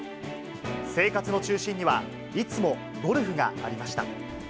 生活の中心には、いつもゴルフがありました。